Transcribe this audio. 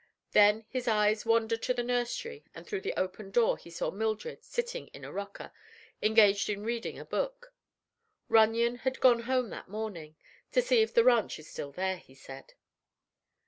Then his eyes wandered to the nursery and through the open door he saw Mildred sitting in a rocker, engaged in reading a book. Runyon had gone home that morning, "to see if the ranch is still there," he said.